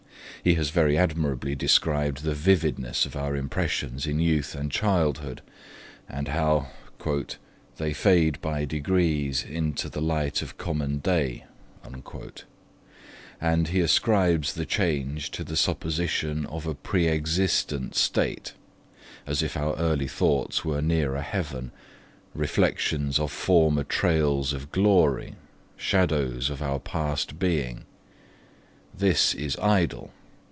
He has very admirably described the vividness of our impressions in youth and childhood, and how 'they fade by degrees into the light of common day', and he ascribes the change to the supposition of a pre existent state, as if our early thoughts were nearer heaven, reflections of former trails of glory, shadows of our past being. This is idle.